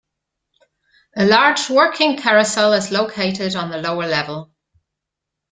A large, working carousel is located on the lower level.